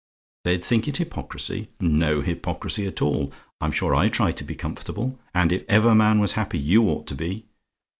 "THEY'D THINK IT HYPOCRISY? "No hypocrisy at all. I'm sure I try to be comfortable; and if ever man was happy, you ought to be.